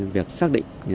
việc xác định